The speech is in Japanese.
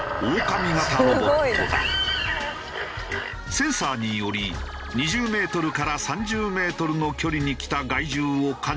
センサーにより２０メートルから３０メートルの距離に来た害獣を感知すると。